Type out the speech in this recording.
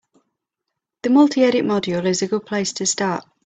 The multi-edit module is a good place to start.